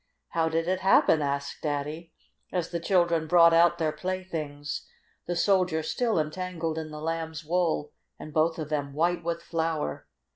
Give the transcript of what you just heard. "How did it happen?" asked Daddy, as the children brought out their playthings, the Soldier still entangled in the Lamb's wool, and both of them white with flour.